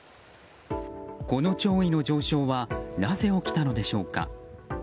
この潮位の上昇はなぜ起きたのでしょうか。